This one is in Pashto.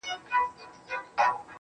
ژوند در ډالۍ دى تاته~